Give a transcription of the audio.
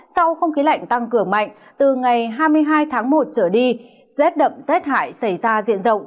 sau không khí lạnh tăng cường mạnh từ ngày hai mươi hai tháng một trở đi rét đậm rét hại xảy ra diện rộng